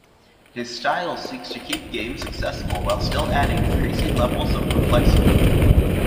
His style seeks to keep games accessible while still adding increasing levels of complexity.